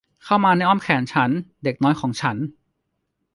เข้ามาในอ้อมแขนฉัน เด็กน้อยของฉัน